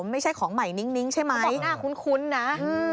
ไม่ใช่ของใหม่นิ้งใช่ไหมอืมทีนี้เขาบอกหน้าคุ้นนะ